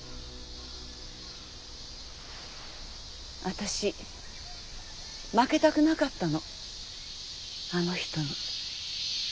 私負けたくなかったのあの人に。